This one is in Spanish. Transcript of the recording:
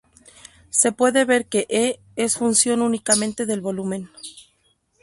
Se puede ver que "E" es función únicamente del volumen.